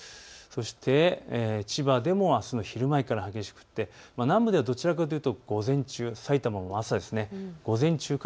そして千葉でも、あすの昼前から降って南部ではどちらかというと午前中、さいたまも朝ですね。